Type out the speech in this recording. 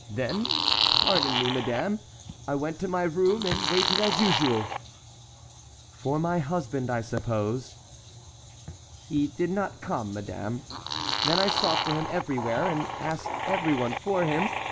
Then—pardon me, madame—I went to my room and waited as usual." "For my husband, I suppose." "He did not come, madame. Then I sought for him everywhere and asked every one for him.